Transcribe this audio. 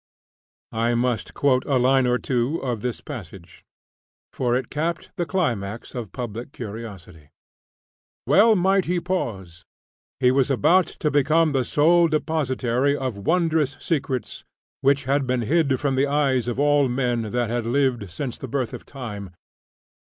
I must quote a line or two of this passage, for it capped the climax of public curiosity: "Well might he pause! He was about to become the sole depository of wondrous secrets which had been hid from the eyes of all men that had lived since the birth of time.